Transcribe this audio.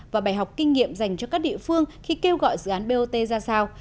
và bài học kinh nghiệm dành cho các địa phương khi kêu gọi dự án bot ra sao